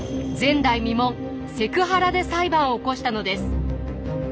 前代未聞セクハラで裁判を起こしたのです。